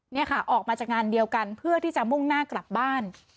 นี่ค่ะออกมาจากงานเดียวกันเพื่อที่จะมุ่งหน้ากลับบ้าน